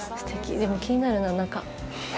でも気になるな、中。